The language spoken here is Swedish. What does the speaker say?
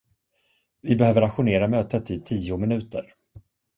Vi behöver ajournera mötet i tio minuter.